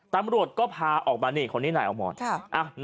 ตำรวจก็พาออกมาเนี่ยคนนี้นายอามรใช่ฮะ